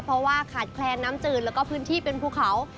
เพราะว่าขาดแคลนน้ำจืดแล้วก็พื้นที่เป็นภูเขา